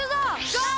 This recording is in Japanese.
ゴー！